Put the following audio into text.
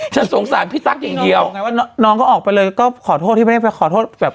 สงสารพี่ตั๊กอย่างเดียวไงว่าน้องก็ออกไปเลยก็ขอโทษที่ไม่ได้ไปขอโทษแบบ